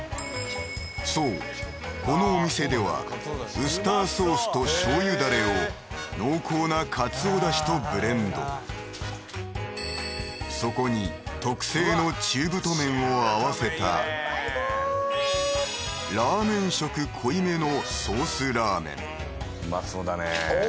そうこのお店ではウスターソースとしょうゆダレを濃厚なカツオ出汁とブレンドそこに特製の中太麺を合わせたラーメン色濃いめのソースラーメンうまそうだね